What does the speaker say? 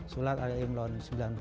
surat al imran sembilan puluh dua